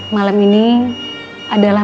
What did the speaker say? malam ini adalah